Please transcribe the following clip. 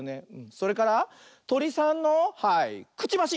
それからトリさんのはいくちばし！